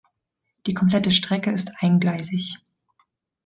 Die komplette Strecke ist eingleisig.